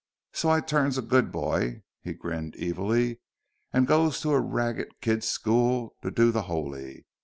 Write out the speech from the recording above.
So I turns a good boy" he grinned evilly "and goes to a ragged kids' school to do the 'oly.